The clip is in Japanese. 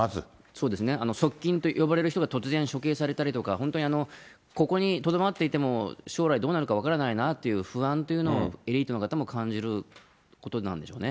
そうですね、側近と呼ばれる人が突然処刑されたりとか、本当にここにとどまっていても、将来どうなるか分からないという不安っていうのをエリートの人も感じることなんでしょうね。